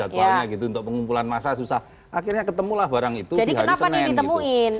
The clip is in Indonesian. jadwalnya gitu untuk pengumpulan massa susah akhirnya ketemulah barang itu di hari senin gitu